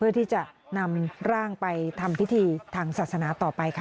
เพื่อที่จะนำร่างไปทำพิธีทางศาสนาต่อไปค่ะ